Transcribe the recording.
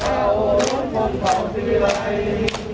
พวกเขารู้คนเขาที่ไหน